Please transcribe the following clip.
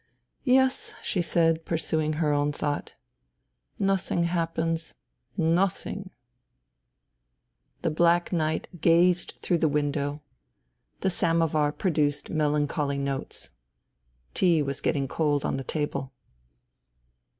" Yes," she said, pursuing her own thought. " Nothing happens. Nothing, ..." The black night gazed through the window. The samovar produced melancholy notes. Tea was getting cold on the table.